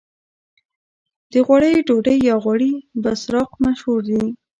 د غوړیو ډوډۍ یا غوړي بسراق مشهور دي.